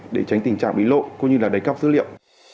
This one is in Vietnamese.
để tránh tình trạng bị lộ cũng như là đánh cắp dữ liệu